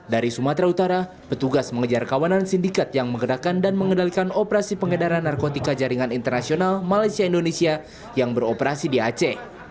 dari sumatera utara petugas mengejar kawanan sindikat yang menggerakkan dan mengendalikan operasi pengedaran narkotika jaringan internasional malaysia indonesia yang beroperasi di aceh